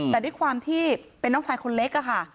แต่ด้วยความที่เป็นน้องชายคนเล็กค่ะ